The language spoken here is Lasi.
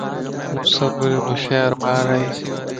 مصور ھوشيار ٻارائي